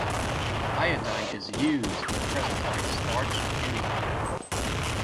Iodine is used in the presence of a starch indicator.